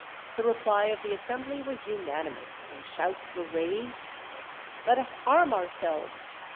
The reply of the assembly was unanimous; and shouts were raised: "Let us arm ourselves!